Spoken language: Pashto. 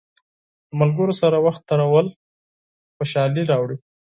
د ملګرو سره وخت تېرول خوشحالي راوړي.